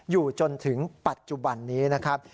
อยู่จนถึงปัจจุบันนี้นะครับ